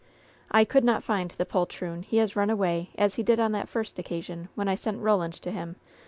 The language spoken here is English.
'T could not find the poltroon! He has run away, as he did on that first occasion, when I sent Eoland to him!"